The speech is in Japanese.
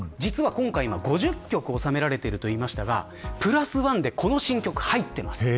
今回５０曲を収められていると言いましたがプラス１でこの新曲が入っています。